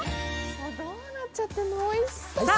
どうなっちゃってんの、おいしそう。